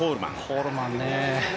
コールマンね